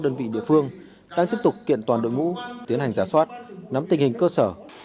đơn vị địa phương đang tiếp tục kiện toàn đội ngũ tiến hành giả soát nắm tình hình cơ sở